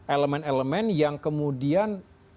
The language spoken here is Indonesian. elemen elemen yang kemudian